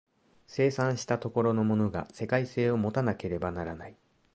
生産した所のものが世界性を有たなければならない。